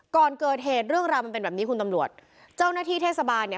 ก่อนเกิดเหตุเรื่องราวมันเป็นแบบนี้คุณตำรวจเจ้าหน้าที่เทศบาลเนี่ย